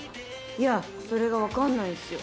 いやそれがわかんないんすよ。